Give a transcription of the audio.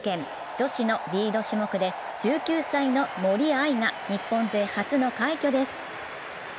女子のリード種目で１９歳の森秋彩が日本勢初の快挙です。